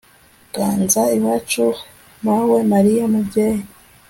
ganza iwacu mawe mariya, mubyeyi